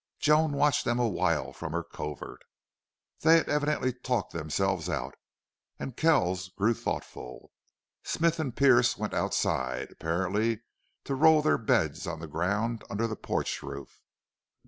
Joan watched them awhile from her covert. They had evidently talked themselves out, and Kells grew thoughtful. Smith and Pearce went outside, apparently to roll their beds on the ground under the porch roof.